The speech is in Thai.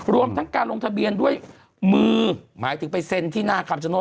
รวมทั้งการลงทะเบียนด้วยมือหมายถึงไปเซ็นที่หน้าคำชโนธ